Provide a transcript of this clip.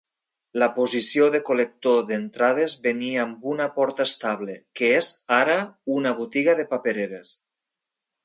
La posició de col·lector d"entrades venia amb una porta estable, que és ara una botiga de papereres.